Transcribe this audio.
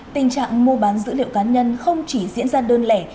tình trạng mua bán dữ liệu cá nhân không chỉ diễn ra đơn lẻ